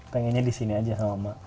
pengennya disini aja sama mama